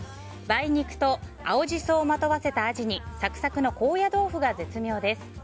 梅肉と青ジソをまとわせたアジにサクサクの高野豆腐が絶妙です。